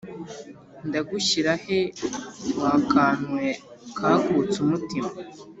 ndagushyira he wa kantu we kakutse umutima?"